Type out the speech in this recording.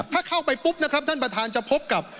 ถ้าเข้าไปปุ๊บนะครับท่านประธานจะพบกับ